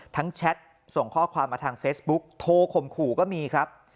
แชทส่งข้อความมาทางเฟซบุ๊กโทรข่มขู่ก็มีครับ